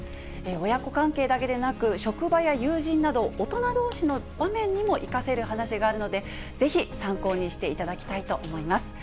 親子関係だけでなく、職場や友人など、大人どうしの場面にも生かせる話があるので、ぜひ参考にしていただきたいと思います。